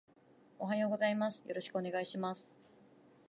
おはようございます。よろしくお願いします